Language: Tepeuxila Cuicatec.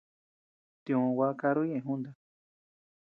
Tiʼö gua karru ñeʼe junta.